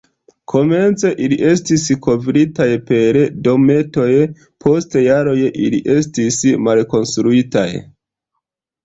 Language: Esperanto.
Komence ili estis kovritaj per dometoj, post jaroj ili estis malkonstruitaj.